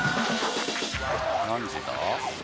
何時だ？